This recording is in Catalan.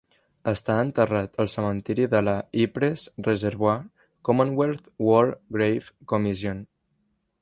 Està enterrat al cementiri de la Ypres Reservoir Commonwealth War Graves Commission.